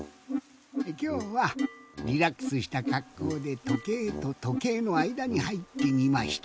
きょうはリラックスしたかっこうでとけいととけいのあいだにはいってみました。